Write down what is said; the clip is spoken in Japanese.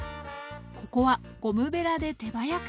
ここはゴムべらで手早く。